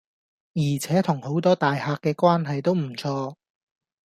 而且同好多大客既關係都唔錯